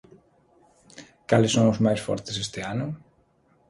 Cales son os máis fortes este ano?